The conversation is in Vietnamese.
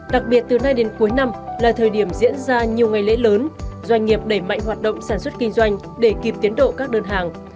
đặc biệt từ nay đến cuối năm là thời điểm diễn ra nhiều ngày lễ lớn doanh nghiệp đẩy mạnh hoạt động sản xuất kinh doanh để kịp tiến độ các đơn hàng